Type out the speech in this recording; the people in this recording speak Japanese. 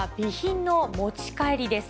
それは、備品の持ち帰りです。